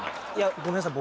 ごめんなさい。